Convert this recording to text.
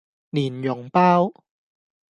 蓮蓉包